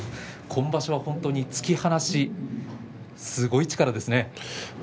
今場所は突き放しすごい力ですね。